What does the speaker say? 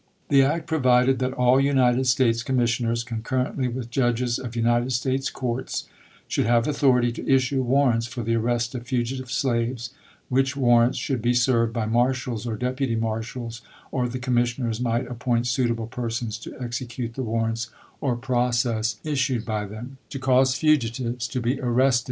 The act provided that all United States com missioners, concurrently with judges of United States courts, should have authority to issue war rants for the arrest of fugitive slaves, which war rants should be served by marshals or deputy marshals, or the commissioners might appoint suitable persons to execute the warrants or process PERSONAL LIBERTY BILLS 2] issued by them ; to cause fugitives to be arrested chap.